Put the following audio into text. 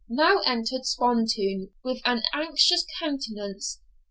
Now entered Spontoon with an anxious countenance.